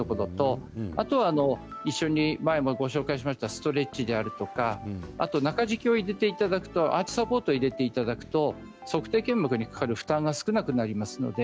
あとは前にもご紹介しましたがストレッチであるとか中敷きを入れてアーチサポートを入れていただくと足底腱膜にかかる負担が少なくなります。